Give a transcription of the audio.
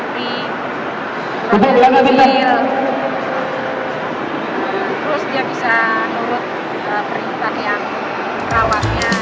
terus cangkri terus dia bisa menurut perintah yang rawatnya